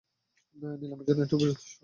নিলামের জন্য এটুকু যথেষ্ট।